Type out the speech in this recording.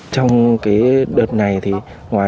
thượng quý lê minh tuấn tham gia thu hoạch hoa sen